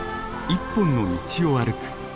一本の道を歩く。